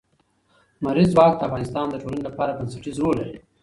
لمریز ځواک د افغانستان د ټولنې لپاره بنسټيز رول لري.